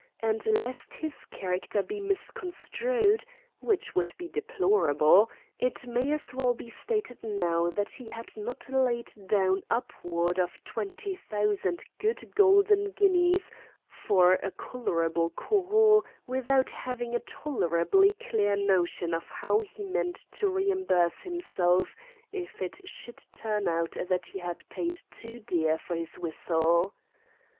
And lest his character be misconstrued (which would be deplorable) it may as well be stated now that he had not laid down upward of twenty thousand good golden guineas for a colourable Corot without having a tolerably clear notion of how he meant to reimburse himself if it should turn out that he had paid too dear for his whistle.